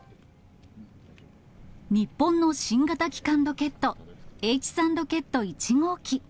日本の新型基幹ロケット、Ｈ３ロケット１号機。